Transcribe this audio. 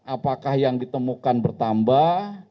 apakah yang ditemukan bertambah